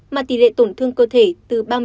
mà tỷ lệ tổn thương cơ thể từ ba mươi một đến sáu mươi